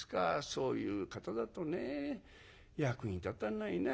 そういう方だとね役に立たないな。